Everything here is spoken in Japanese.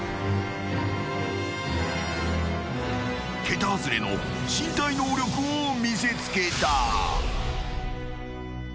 ［桁外れの身体能力を見せつけた］